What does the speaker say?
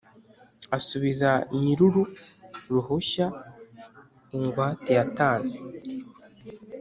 asubiza nyiruru ruhushya ingwate yatanze